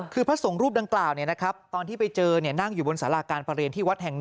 คือพระสงฆ์รูปดังกล่าวตอนที่ไปเจอนั่งอยู่บนสาราการประเรียนที่วัดแห่ง๑